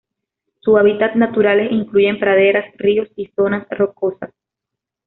Sus hábitats naturales incluyen praderas, ríos y zonas rocosas.